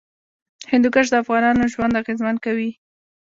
هندوکش د افغانانو ژوند اغېزمن کوي.